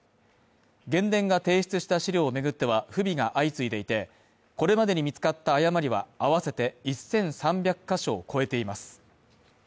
原電が提出した資料を巡っては、不備が相次いでいて、これまでに見つかった誤りは合わせて１３００ヶ所を超えています。